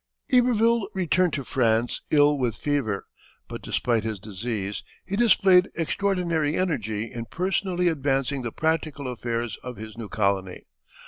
Iberville returned to France ill with fever, but despite his disease, he displayed extraordinary energy in personally advancing the practical affairs of his new colony.